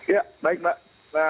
ya baik mbak